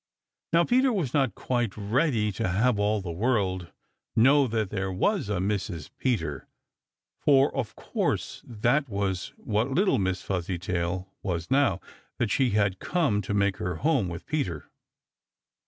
Now Peter was not quite ready to have all the world know that there was a Mrs. Peter, for of course that was what little Miss Fuzzytail was now that she had come to make her home with Peter.